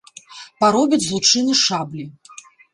Паробяць з лучыны шаблі.